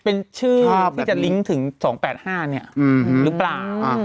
เป็นชื่อที่จะลิงก์ถึง๒๘๕เนี่ยหรือเปล่า